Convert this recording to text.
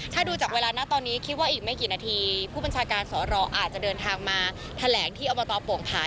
ถ้าดูจากเวลานะตอนนี้คิดว่าอีกไม่กี่นาทีผู้บัญชาการสอรอาจจะเดินทางมาแถลงที่อบตโป่งผาย